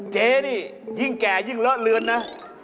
เจ๊นี่ยิ่งแก่ยิ่งเลอะเลือนนะ